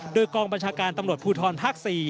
โดยกองบัญชาการตำรวจภูทรภาค๔